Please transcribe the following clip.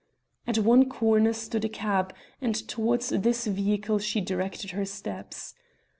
At one corner stood a cab, and towards this vehicle she directed her steps.